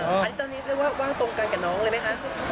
อันนี้ตอนนี้ว่างตรงกันกับน้องเลยไหมคะ